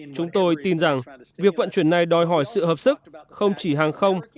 chúng tôi tin rằng việc vận chuyển này đòi hỏi sự hợp sức không chỉ hàng không